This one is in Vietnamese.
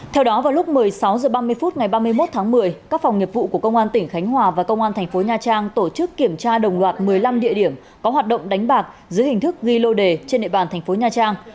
theo đó vào lúc một mươi sáu h ba mươi phút ngày ba mươi một tháng một mươi các phòng nghiệp vụ của công an tỉnh khánh hòa và công an thành phố nha trang tổ chức kiểm tra đồng loạt một mươi năm địa điểm có hoạt động đánh bạc dưới hình thức ghi lô đề trên địa bàn thành phố nha trang